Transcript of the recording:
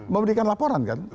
memberikan laporan kan